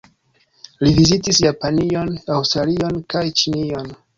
Li vizitis Japanion, Aŭstralion kaj Ĉinion.